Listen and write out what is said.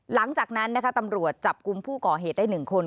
หลังจากนั้นนะคะตำรวจจับกลุ่มผู้ก่อเหตุได้๑คน